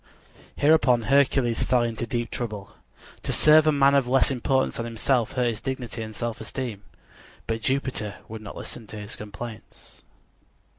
_ Hereupon Hercules fell into deep trouble. To serve a man of less importance than himself hurt his dignity and self esteem; but Jupiter would not listen to his complaints.